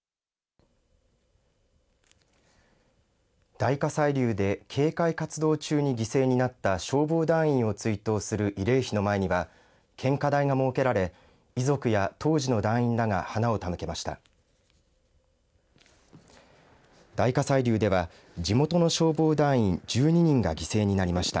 大火砕流で警戒活動中に犠牲になった消防団員を追悼する慰霊碑の前には献花台が設けられ遺族や当時の団員らが花を手向けました。